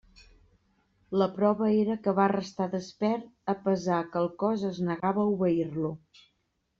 La prova era que va restar despert a pesar que el cos es negava a obeir-lo.